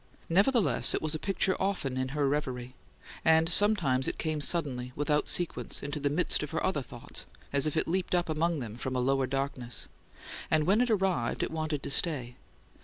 Nevertheless, it was a picture often in her reverie; and sometimes it came suddenly, without sequence, into the midst of her other thoughts, as if it leaped up among them from a lower darkness; and when it arrived it wanted to stay.